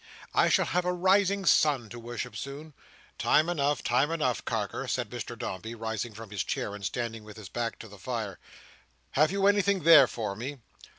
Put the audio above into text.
I shall have a rising sun to worship, soon." "Time enough, time enough, Carker!" said Mr Dombey, rising from his chair, and standing with his back to the fire. "Have you anything there for me?"